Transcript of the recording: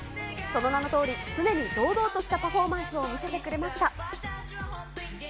その名のとおり、常に堂々としたパフォーマンスを見せてくれました。